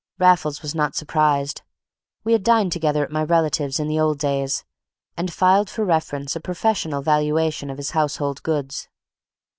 Raffles was not surprised; we had dined together at my relative's in the old days, and filed for reference a professional valuation of his household gods.